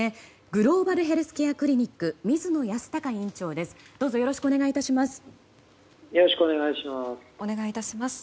グローバルヘルスケアクリニック水野泰孝院長です。